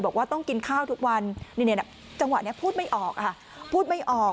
บอกว่าต้องกินข้าวทุกวันจังหวะนี้พูดไม่ออกค่ะพูดไม่ออก